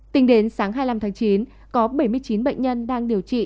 tính đến sáng hai mươi năm tháng chín có bảy mươi chín bệnh nhân đang điều trị